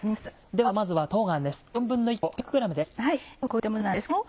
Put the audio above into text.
ではまずは冬瓜です。